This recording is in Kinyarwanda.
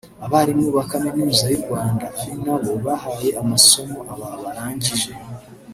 abarimu ba Kaminuza y’u Rwanda ari nabo bahaye amasomo aba barangije